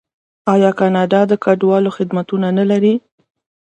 آیا کاناډا د کډوالو خدمتونه نلري؟